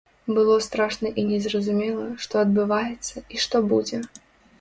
Было страшна і незразумела, што адбываецца і што будзе.